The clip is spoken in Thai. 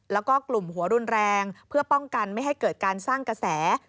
แล้วก็กลุ่มหัวรุนแรงเพื่อป้องกันไม่ให้เกิดการสร้างกระแส